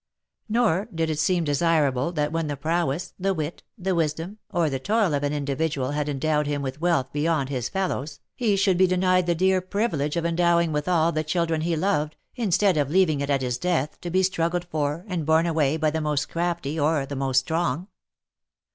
Nor did it seem desirable that when the prowess, the wit, the wisdom, or the toil of an individual had endowed him with wealth beyond his fellows, he should be denied the dear privilege of endowing withal the children he loved, instead of leaving it at his death to be struggled for, and borne away by the most crafty or the most strong.